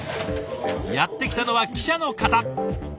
やって来たのは記者の方。